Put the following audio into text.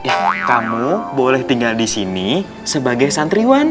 eh kamu boleh tinggal di sini sebagai santriwan